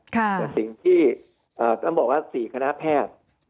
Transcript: แต่สิ่งที่ต้องบอกว่า๔คณะแพทย์